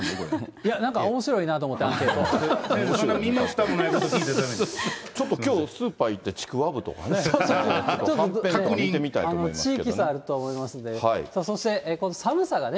いや、なんかおもしろいなと身もふたもないことを聞いてちょっときょう、スーパー行ってちくわぶとかね、はんぺんとか見てみたいと思いますけどね。